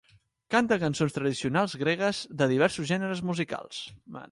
Canta cançons tradicionals gregues de diversos gèneres musicals.